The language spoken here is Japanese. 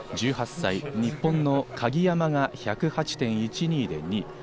１８歳、日本の鍵山が１０８．１２で２位。